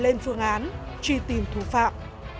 lên phương án truy tìm thủ phạm